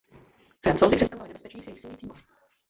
Francouzi představovali nebezpečí s jejich sílící mocí.